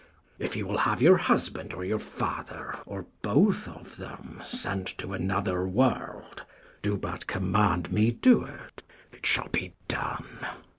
If you will have your husband or your father, Or both of them sent to another world, 5 o KING LEIR AND [Acr IV Do but command me do't, it shall be done.